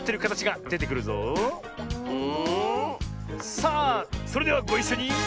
さあそれではごいっしょに！